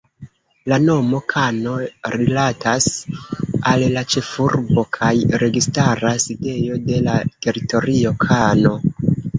La nomo "Kano" rilatas al la ĉefurbo kaj registara sidejo de la teritorio, Kano.